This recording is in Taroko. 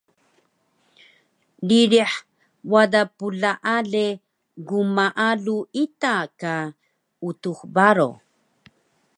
ririh wada plaale gmaalu ita ka Utux Baro